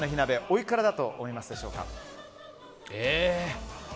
おいくらだと思いますでしょうか。